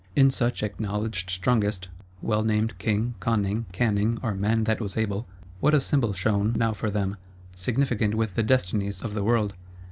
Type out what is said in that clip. In such Acknowledged Strongest (well named King, Kön ning, Can ning, or Man that was Able) what a Symbol shone now for them,—significant with the destinies of the world!